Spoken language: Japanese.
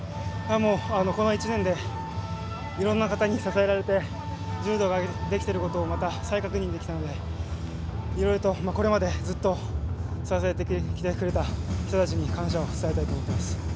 この１年でいろんな方に支えられて柔道ができていることをまた、再確認できたのでいろいろと、これまでずっと支えてきてくれた人たちに感謝を伝えたいと思います。